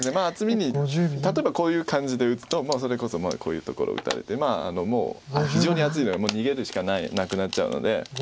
厚みに例えばこういう感じで打つともうそれこそこういうところ打たれてもう非常に厚いのでもう逃げるしかなくなっちゃうので。